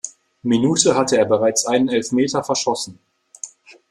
Minute hatte er bereits einen Elfmeter verschossen.